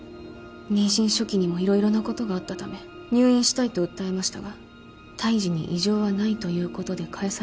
妊娠初期にも色々なことがあったため入院したいと訴えましたが胎児に異常はないということで帰されました。